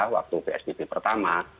waktu bspp pertama